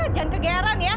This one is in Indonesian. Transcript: jangan kegeran ya